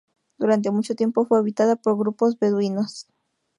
Durante mucho tiempo fue habitada por grupos beduinos.